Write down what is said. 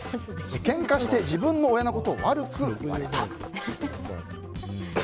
けんかして自分の親のことを悪く言われた。